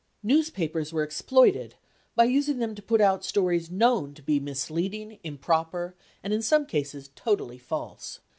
Newspapers were exploited, by using them to put out stories known to be misleading, improper, and in some cases totally false.